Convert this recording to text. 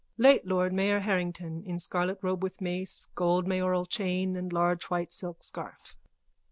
_ LATE LORD MAYOR HARRINGTON: _(In scarlet robe with mace, gold mayoral chain and large white silk scarf.)